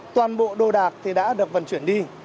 toàn bộ đồ đạc thì đã được vận chuyển đi